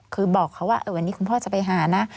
คือบอกเขาว่าวันนี้คุณพ่อจะไปหานะ